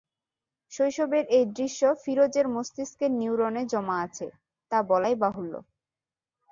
শৈশবের এই দৃশ্য ফিরোজের মস্তিষ্কের নিউরোনে জমা আছে, তা বলাই বাহুল্য।